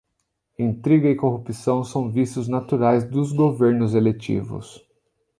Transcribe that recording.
Intriga e corrupção são vícios naturais dos governos eletivos.